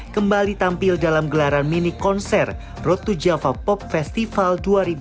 kembali tampil dalam gelaran mini konser road to java pop festival dua ribu dua puluh